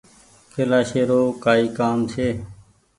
ڪيلآشي رو ڪآئي ڪآم ڇي۔